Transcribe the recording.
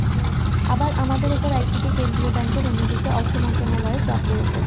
আবার আমাদের ওপর একদিকে কেন্দ্রীয় ব্যাংকের, অন্যদিকে অর্থ মন্ত্রণালয়ের চাপ রয়েছে।